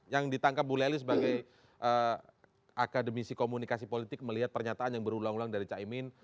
yang ditangkap bu lely sebagai akademisi komunikasi politik melihat pernyataan yang berulang ulang dari caimin